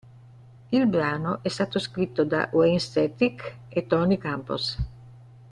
Il brano è stato scritto da Wayne Static e Tony Campos.